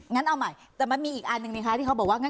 งั้นเอาใหม่แต่มันมีอีกอันหนึ่งนะคะที่เขาบอกว่างั้น